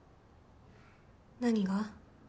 何が？